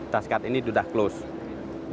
task card ini sudah close